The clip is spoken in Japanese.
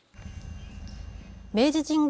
明治神宮